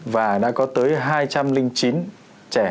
và đã có tới hai trăm linh chín trẻ